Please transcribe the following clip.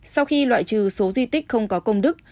sau khi loại trừ số di tích không có công đức